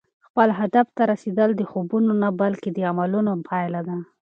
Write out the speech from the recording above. خپل هدف ته رسېدل د خوبونو نه، بلکې د عملونو پایله ده.